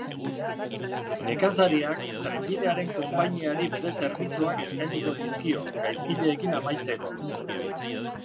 Nekazariak, trenbidearen konpainiari bere zerbitzuak eskainiko dizkio, gaizkileekin amaitzeko.